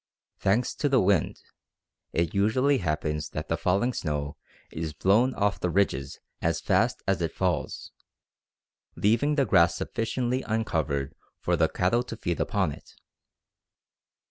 Thanks to the wind, it usually happens that the falling snow is blown off the ridges as fast as it falls, leaving the grass sufficiently uncovered for the cattle to feed upon it.